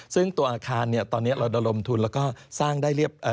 ซึ่งตัวอาคารเนี่ยตอนนี้เราระดมทุนแล้วก็สร้างได้เรียบ